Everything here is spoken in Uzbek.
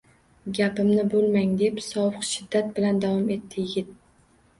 — Gapimni boʼlmang! — deb sovuq shiddat bilan davom etdi yigit.